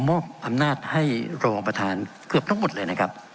มอบอำนาจให้รองประธานเกือบทั้งหมดเลยนะครับ